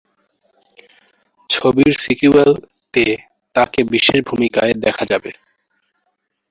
ছবিটির সিক্যুয়েল -তে তাকে বিশেষ ভূমিকায় দেখা যাবে।